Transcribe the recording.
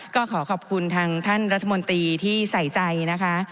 ก็ขอขอบคุณทางท่านรัฐมนตรีที่ใส่ใจนะคะ